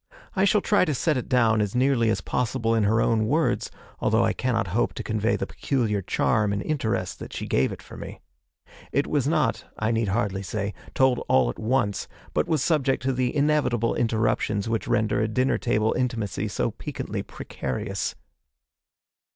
I shall try to set it down as nearly as possible in her own words, although I cannot hope to convey the peculiar charm and interest that she gave it for me. It was not, I need hardly say, told all at once, but was subject to the inevitable interruptions which render a dinner table intimacy so piquantly precarious.